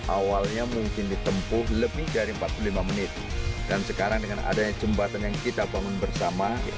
awalnya mungkin ditempuh lebih dari empat puluh lima menit dan sekarang dengan adanya jembatan yang kita bangun bersama